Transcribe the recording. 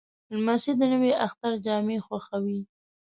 لمسی د نوي اختر جامې خوښوي.